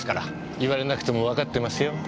言われなくてもわかってますよ。